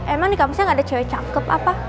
emang di kamusnya gak ada cewek cakep apa